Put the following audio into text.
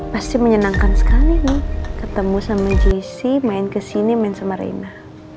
pasti menyenangkan sekali nih ketemu sama jisy main kesini main sama reina